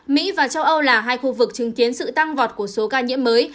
mỹ và châu âu là hai khu vực chứng kiến sự tăng vọt của số ca nhiễm mới